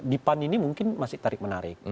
di pan ini mungkin masih tarik menarik